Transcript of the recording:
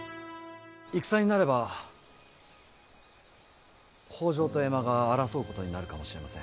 「戦になれば北条と江間が争うことになるかもしれません」